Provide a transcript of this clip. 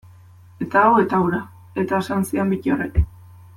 Eta hau eta hura, eta esan zidan Bittorrek.